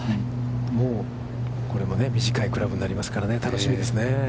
もう、これも短いクラブになりますからね、楽しみですね。